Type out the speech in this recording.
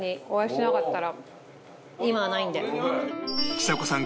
ちさ子さん